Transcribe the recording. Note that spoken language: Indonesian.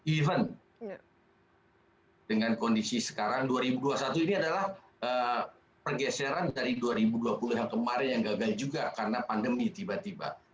even dengan kondisi sekarang dua ribu dua puluh satu ini adalah pergeseran dari dua ribu dua puluh yang kemarin yang gagal juga karena pandemi tiba tiba